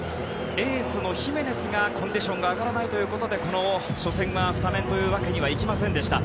エースのヒメネスがコンディションが上がらないということでこの初戦はスタメンというわけにはいきませんでした。